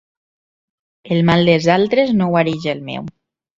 El mal dels altres no guareix el meu.